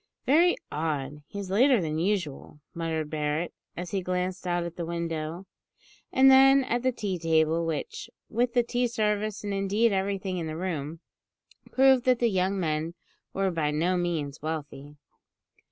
"Very odd; he's later than usual," muttered Barret, as he glanced out at the window, and then at the tea table, which, with the tea service, and, indeed everything in the room, proved that the young men were by no means wealthy.